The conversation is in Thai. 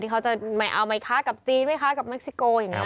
ที่เขาจะเอาอเมริกากับจีนไม่ค้ากับเม็กซิโกอย่างนั้น